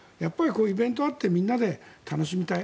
こういうイベントがあってみんなで楽しみたい。